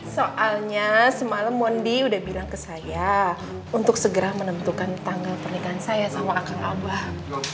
soalnya semalam mondi udah bilang ke saya untuk segera menentukan tanggal pernikahan saya sama kakak abah